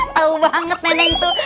tau banget nenek itu